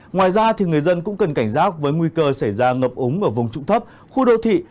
ngoài ra người dân cũng cần cảnh giác với nguy cơ xảy ra ngập ống ở vùng trụng thấp khu đô thị